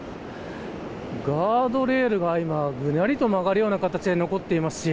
ガードレールが、ぐにゃりと曲がるような形で残っています。